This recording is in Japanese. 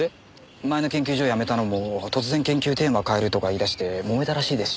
前の研究所を辞めたのも突然研究テーマを変えるとか言い出してもめたらしいですし。